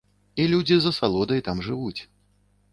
І людзі з асалодай там жывуць.